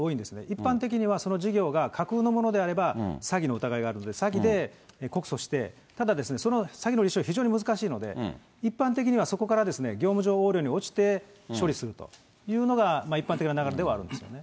一般的にはその事業が架空のものであれば詐欺の疑いがあるんで、詐欺で告訴して、ただですね、詐欺の立証は非常に難しいので、一般的にはそこから業務上横領に落ちて、処理するというのが一般的な流れではあるんですよね。